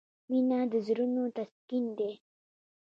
• مینه د زړونو تسکین دی.